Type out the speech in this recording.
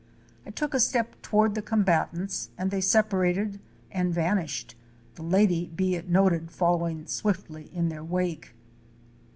I took a step toward the combatants and they separated and vanished, the lady, be it noted, following swiftly in their wake.